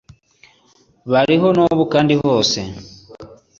Bariho n’ubu kandi hose .